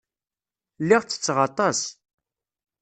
Lliɣ ttetteɣ aṭas.